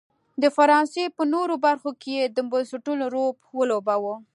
د فرانسې په نورو برخو کې یې د بنسټونو رول ولوباوه.